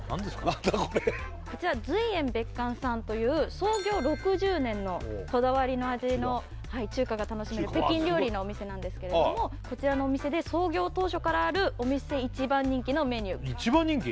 何だこれこちらは隨園別館さんという創業６０年のこだわりの味の中華が楽しめる北京料理のお店なんですけれどもこちらのお店で創業当初からあるお店一番人気のメニュー一番人気？